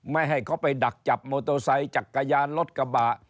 ไม่ให้เขาไปดักจับโมโตไซด์จากกายานรถกระบะ